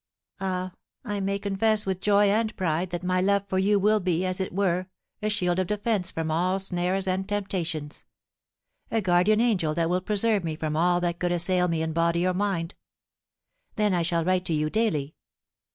"Ah, I may now confess with joy and pride that my love for you will be, as it were, a shield of defence from all snares and temptations, a guardian angel that will preserve me from all that could assail me in body or mind. Then I shall write to you daily.